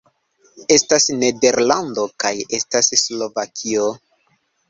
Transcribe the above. Estas Nederlando kaj estas Slovakio